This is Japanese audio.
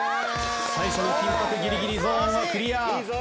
最初の緊迫ギリギリゾーンをクリア。